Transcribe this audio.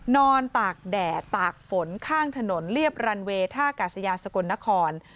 ตากแดดตากฝนข้างถนนเรียบรันเวย์ท่ากาศยานสกลนคร